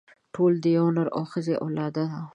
ټول د يوه نر او ښځې اولاده دي.